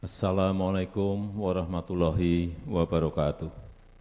assalamu alaikum warahmatullahi wabarakatuh